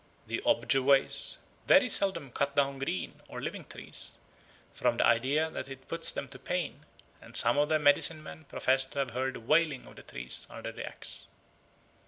The Ojebways "very seldom cut down green or living trees, from the idea that it puts them to pain, and some of their medicine men profess to have heard the wailing of the trees under the axe."